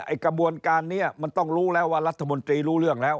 กระบวนการนี้มันต้องรู้แล้วว่ารัฐมนตรีรู้เรื่องแล้ว